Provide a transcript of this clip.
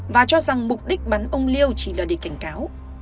và cho rằng mục đích bắn ông liêu chỉ là để cảnh cáo